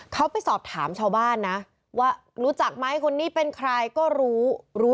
เขาไปสอบถามชาวบ้านนะว่ารู้จักไหมคนนี้เป็นใครก็รู้รู้